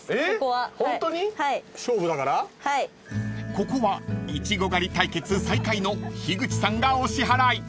［ここはイチゴ狩り対決最下位の樋口さんがお支払い］